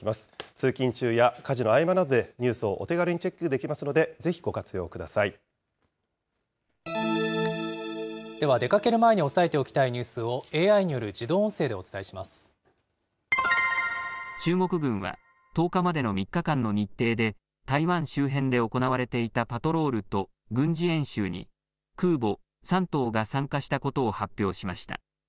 通勤中や家事の合間などで、ニュースをお手軽にチェックできますでは、出かける前に押さえておきたいニュースを、ＡＩによる自動音声で中国軍は、１０日までの３日間の日程で、台湾周辺で行われていたパトロールと軍事演習に、空母山東が参加したことを発表しました。